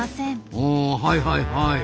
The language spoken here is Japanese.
あはいはいはい。